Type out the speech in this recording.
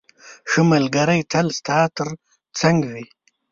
ښه ملګری تل ستا تر څنګ وي.